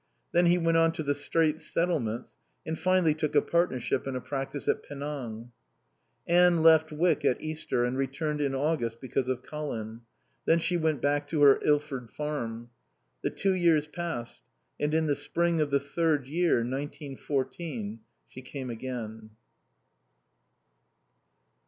Then he went on to the Straits Settlements and finally took a partnership in a practice at Penang. Anne left Wyck at Easter and returned in August because of Colin. Then she went back to her Ilford farm. The two years passed, and in the spring of the third year, nineteen fourteen, she came again.